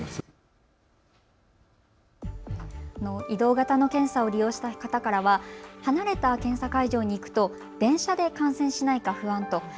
移動型の検査を利用した方からは離れた検査会場に行くと電車で感染しないか不安と。